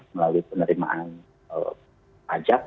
melalui penerimaan pajak